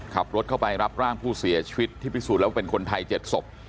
ขับรถเข้าไปรับร่างผู้เสียชีวิตที่พิสูจนแล้วเป็นคนไทย๗ศพ